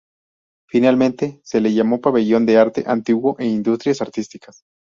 Finalmente, se le llamó pabellón de Arte Antiguo e Industrias Artísticas.